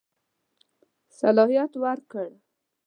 صلاحیت ورکړ.